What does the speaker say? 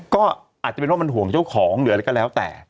ก็อาจจะเป็นว่ามันห่วงเจ้าของหรืออะไรก็แล้วแต่